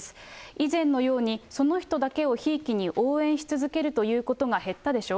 以前のように、その人だけをひいきに応援し続けるということが減ったでしょ。